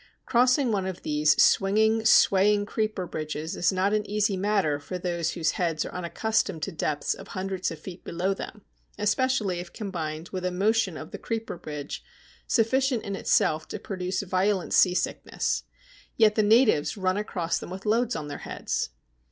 Crossing one of these swinging, swaying creeper bridges is not an easy matter for those whose heads are unaccustomed to depths of hundreds of feet below them, especially if combined with a motion of the creeper bridge sufficient in itself to produce violent seasickness. Yet the natives run across them with loads on their heads!